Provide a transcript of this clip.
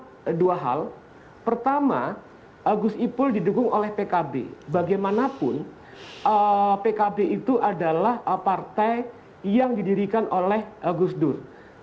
gus ipul karena dua hal pertama agus ipul didukung oleh pkb bagaimanapun pkb itu adalah apartai yang didirikan oleh agus dur